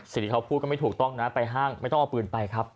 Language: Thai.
สิ่งที่เขาพูดก็ไม่ถูกต้องนะไปห้างไม่ต้องเอาปืนไปครับ